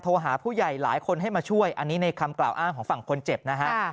หาผู้ใหญ่หลายคนให้มาช่วยอันนี้ในคำกล่าวอ้างของฝั่งคนเจ็บนะฮะ